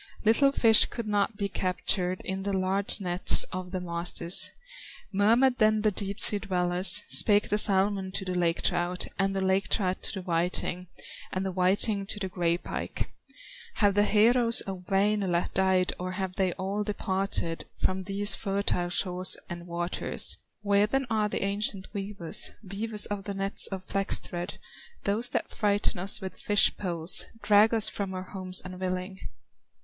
Little fish could not be captured In the large nets of the masters; Murmured then the deep sea dwellers, Spake the salmon to the lake trout, And the lake trout to the whiting, And the whiting to the gray pike: "Have the heroes of Wainola Died, or have they all departed From these fertile shores and waters? Where then are the ancient weavers, Weavers of the nets of flax thread, Those that frighten us with fish poles, Drag us from our homes unwilling?"